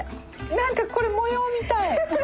何かこれ模様みたい。